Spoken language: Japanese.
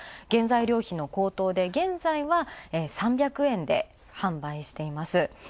原材料費の高騰で、現在は３００円で販売しています。